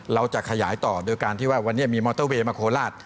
เราจะขยายต่อโดยการที่ว่าวันนี้มีมอเตอร์เวย์มาโคราช